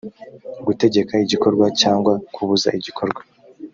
gutegeka igikorwa cyangwa kubuza igikorwa